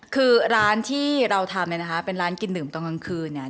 คือร้านที่เราทำเนี่ยนะคะเป็นร้านกินดื่มตอนกลางคืนเนี่ย